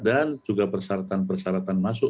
dan juga persyaratan persyaratan masuk